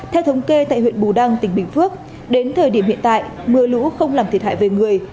theo thống kê tại huyện bù đăng tỉnh bình phước đến thời điểm hiện tại mưa lũ không làm thiệt hại về người